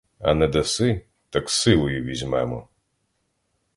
А не даси, так силою візьмемо.